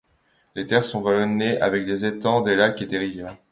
Les terres sont vallonnées avec des étangs, des lacs et des rivières.